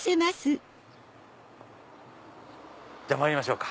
じゃまいりましょうか。